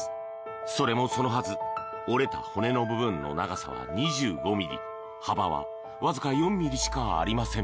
それも、そのはず折れた骨の部分の長さは２５ｍｍ幅はわずか４ｍｍしかありません。